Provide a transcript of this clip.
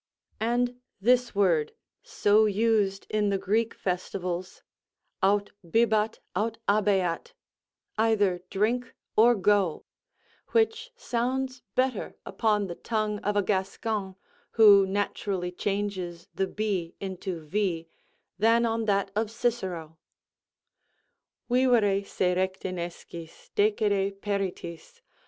And this word, so used in the Greek festivals, aut bibat, aut abeat, "either drink or go," which sounds better upon the tongue of a Gascon, who naturally changes the h into v, than on that of Cicero: Vivere si recte nescis, decede peritis.